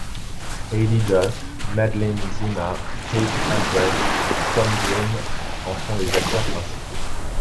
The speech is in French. Haylie Duff, Madeline Zima, Kate Albrecht et Tom Green en sont les acteurs principaux.